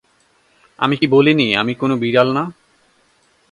আমি কি বলিনি আমি কোন বিড়াল না?